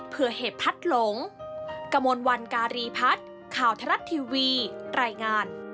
เพื่อเหตุพัดหลง